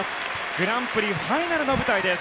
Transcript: グランプリファイナルの舞台です。